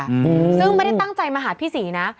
อืมซึ่งไม่ได้ตั้งใจมาหาพี่ศรีนะ